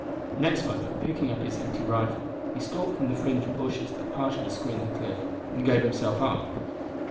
Next moment, picking up his empty rifle, he stalked from the fringe of bushes that partially screened the cliff, and gave himself up.